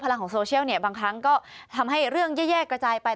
ลังของโซเชียลเนี่ยบางครั้งก็ทำให้เรื่องแย่กระจายไป